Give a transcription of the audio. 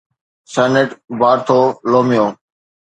saint Bartholomew